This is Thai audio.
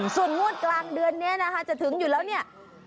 ส่วนงวดกลางเดือนนี้นะคะจะถึงอยู่แล้วเนี่ย